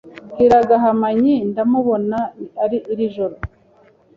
Bwira Gahamanyi ndamubona iri joro.